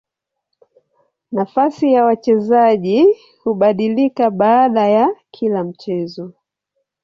Nafasi ya wachezaji hubadilika baada ya kila mchezo.